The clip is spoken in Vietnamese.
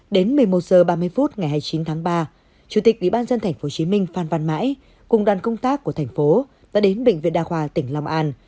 đến một mươi một h ba mươi phút ngày hai mươi chín tháng ba chủ tịch ủy ban dân tp hcm phan văn mãi cùng đoàn công tác của thành phố đã đến bệnh viện đa khoa tỉnh long an